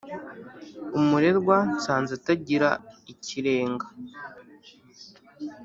umurerwa nsanze atagira ikirega,